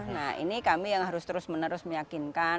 nah ini kami yang harus terus menerus meyakinkan